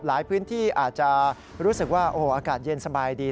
หลายพื้นที่อาจจะรู้สึกว่าโอ้โหอากาศเย็นสบายดี